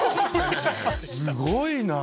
すごいな。